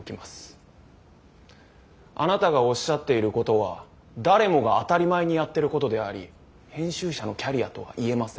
あなたがおっしゃっていることは誰もが当たり前にやっていることであり編集者のキャリアとは言えません。